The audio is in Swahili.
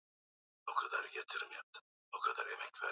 hii inaleta picha gani kwa siasa ya tanzania picha hiyo ni mbaya zaidi